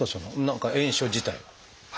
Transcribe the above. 何か炎症自体。